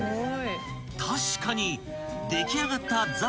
［確かに出来上がったザ★